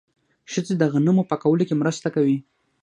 ښځې د غنمو په پاکولو کې مرسته کوي.